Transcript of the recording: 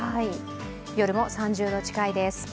夜も３０度近いです。